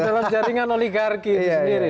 jelas jaringan oligarki itu sendiri